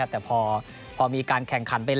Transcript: แต่พอมีการแข่งขันไปแล้ว